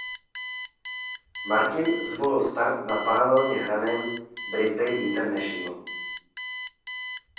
Martin zvolil start na paralelně hraném Brisbane International.